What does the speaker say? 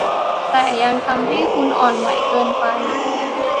แต่ยังทำให้คุณอ่อนไหวเกินไป